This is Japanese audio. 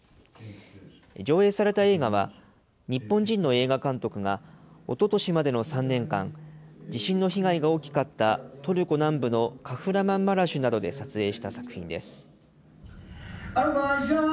上映された映画は、日本人の映画監督がおととしまでの３年間、地震の被害が大きかったトルコ南部のカフラマンマラシュなどで撮影した作品です。